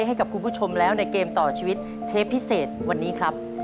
ให้กับคุณผู้ชมแล้วในเกมต่อชีวิตเทปพิเศษวันนี้ครับ